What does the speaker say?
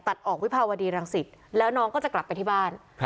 ตัดออกวิภาวดีรังสิตแล้วน้องก็จะกลับไปที่บ้าน